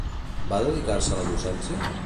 Va dedicar-se a la docència?